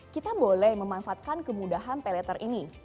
kita boleh memanfaatkan kemudahan pay letter ini